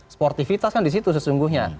sportivitas kan disitu sesungguhnya